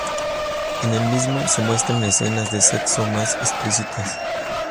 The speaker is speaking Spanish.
En el mismo, se muestran escenas de sexos más explícitas.